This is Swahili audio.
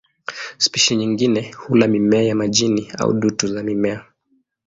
Spishi nyingine hula mimea ya majini au dutu za mimea.